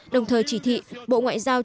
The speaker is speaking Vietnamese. đồng thời chỉ thị bộ ngoại giao